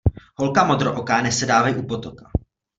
Holka modrooká nesedávej u potoka.